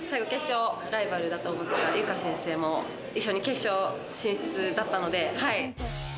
ライバルだと思ってた由佳先生も一緒に決勝進出だったので。